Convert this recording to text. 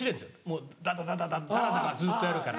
もうダダダダダダラダラずっとやるから。